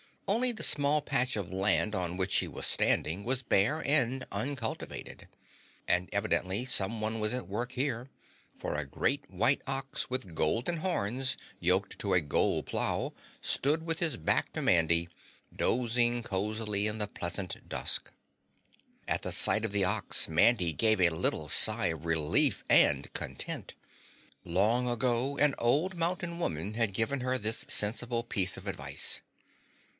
Only the small patch of land on which she was standing was bare and uncultivated. And evidently someone was at work here, for a great white ox, with golden horns, yoked to a gold plow stood with his back to Mandy, dozing cozily in the pleasant dusk. At sight of the ox, Mandy gave a little sigh of relief and content. Long ago an old mountain woman had given her this sensible piece of advice.